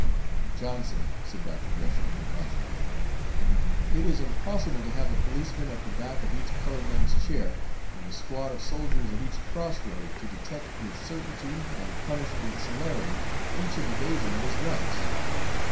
"Johnson," said Dr. Gresham, compassionately, "it is impossible to have a policeman at the back of each colored man's chair, and a squad of soldiers at each crossroad, to detect with certainty, and punish with celerity, each invasion of his rights.